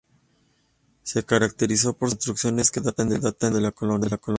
Se caracteriza por sus construcciones que datan del tiempo de la Colonia.